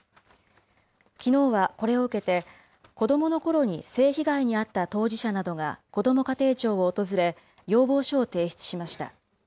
きのうはこれを受けて、子どものころに性被害に遭った当事者などがこども家庭庁を訪れ、要望書を提出しました。